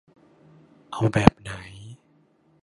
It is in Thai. เอาแบบไหน ?